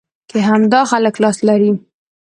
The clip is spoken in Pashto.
کې همدا خلک لاس لري.